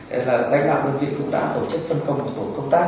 đấy là đánh đạo đơn vị cũng đã tổ chức phân công của quần chúng nhân dân